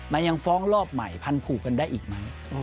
มันยังฟ้องรอบใหม่พันผูกกันได้อีกไหม